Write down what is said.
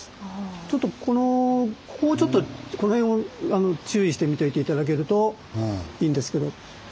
ちょっとこのここをちょっとこの辺を注意して見といて頂けるといいんですけど。